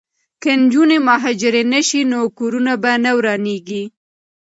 که نجونې مهاجرې نه شي نو کورونه به نه ورانیږي.